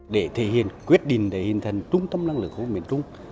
để thể hiện quyết định để hình thành trung tâm năng lực của miền trung